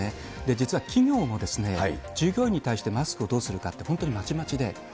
実は企業も従業員に対してマスクをどうするかって、本当にまちまちで。